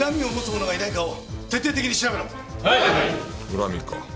恨みか。